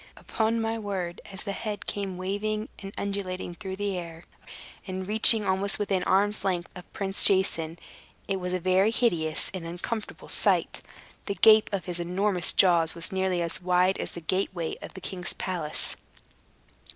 Upon my word, as the head came waving and undulating through the air, and reaching almost within arm's length of Prince Jason, it was a very hideous and uncomfortable sight. The gape of his enormous jaws was nearly as wide as the gateway of the king's palace.